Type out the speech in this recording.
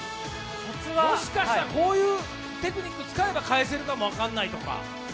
もしかしたらこういうテクニック使えば返せるかも分かんないとか。